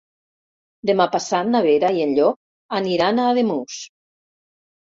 Demà passat na Vera i en Llop aniran a Ademús.